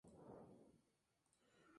La compañía The System Center, Inc.